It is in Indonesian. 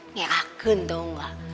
ngeraken tau gak